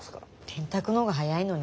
電卓の方が早いのに。